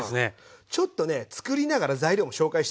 ちょっとねつくりながら材料も紹介していきたいと思います。